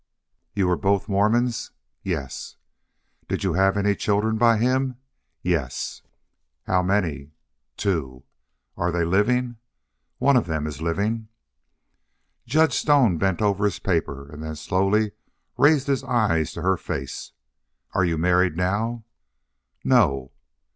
"You were both Mormons?" "Yes." "Did you have any children by him?" "Yes." "How many?" "Two." "Are they living?" "One of them is living." Judge Stone bent over his paper and then slowly raised his eyes to her face. "Are you married now?" "No."